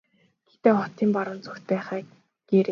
Гэхдээ хотын баруун зүгт байх аа гээрэй.